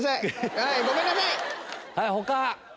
はい他！